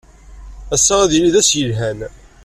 Ass-a ad yili d ass yelhan.